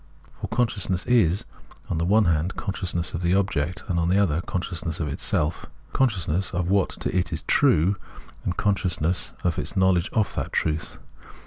For consciousness is, on the one hand, consciousness of the object, on the other, consciousness of itself ; conscious ness of what to it is true, and consciousness of its knowledge of that truth.